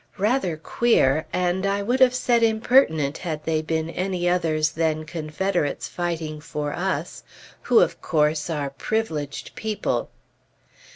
Rather queer; and I would have said impertinent had they been any others than Confederates fighting for us, who, of course, are privileged people.